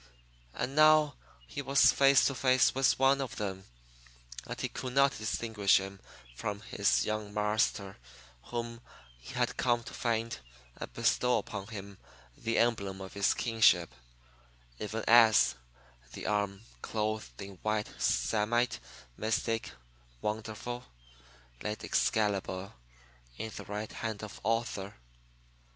And now he was face to face with one of them and he could not distinguish him from his "young marster" whom he had come to find and bestow upon him the emblem of his kingship even as the arm "clothed in white samite, mystic, wonderful" laid Excalibur in the right hand of Arthur.